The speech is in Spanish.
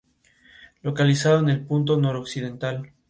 Localizado en el punto noroccidental.